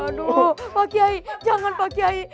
aduh pak kiai jangan pakai air